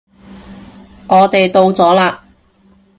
我哋到咗喇